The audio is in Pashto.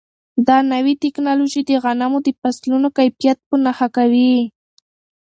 دا نوې ټیکنالوژي د غنمو د فصلونو کیفیت په نښه کوي.